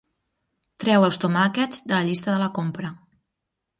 Treu els tomàquets de la llista de la compra.